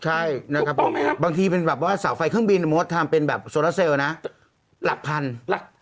ใช่บางทีเป็นแบบว่าเสาไฟเครื่องบินถ้าเป็นโซลาเซลละพันธุ์